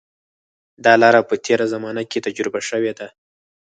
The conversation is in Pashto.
دا لاره په تېره زمانه کې تجربه شوې ده.